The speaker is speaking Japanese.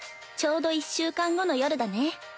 ちょうど１週間後の夜だね。